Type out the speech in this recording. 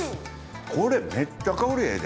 これめっちゃ香りええで。